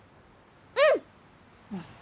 うん！